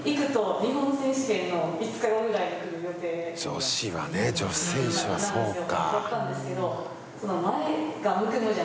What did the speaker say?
女子はね、女子選手はそうか。